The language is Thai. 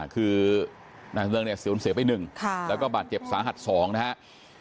คือนายสำเริงเนี่ยสูญเสียไป๑แล้วก็บาดเจ็บสาหัส๒นะครับ